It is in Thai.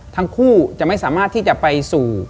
ทั้งคู่จะไม่สามารถที่จะไปสู่